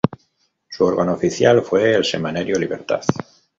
Su órgano oficial fue el semanario "Libertad".